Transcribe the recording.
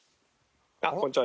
こんにちは。